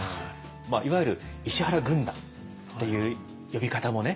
まあいわゆる「石原軍団」っていう呼び方もね